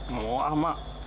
mau ah mak